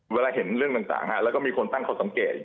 เวลาเห็นเรื่องต่างแล้วก็มีคนตั้งข้อสังเกต